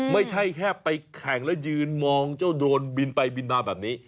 ไม่ใช่แค่ไปแข่งแล้วยืนมองเจ้าโดรนบินไปบินมาแบบนี้